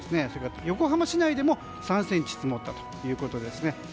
それから横浜市内でも３ｃｍ積もったということです。